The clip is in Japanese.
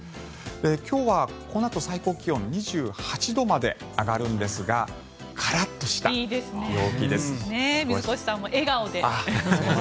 今日はこのあと最高気温２８度まで上がるんですがカラッとした陽気です。